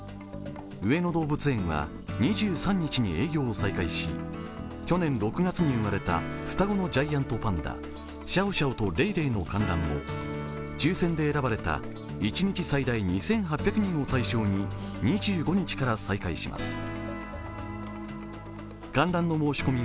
上野動物園は２３日に営業を再開し、去年６月に生まれた双子のジャイアントパンダ、シャオシャオとレイレイの観覧も抽選で選ばれた１日最大２８００人を対象に２５日から再開します。